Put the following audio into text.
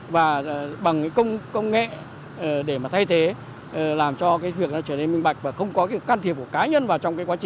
và bằng cái công nghệ để mà thay thế làm cho cái việc nó trở nên minh bạch và không có cái can thiệp của cá nhân vào trong cái quá trình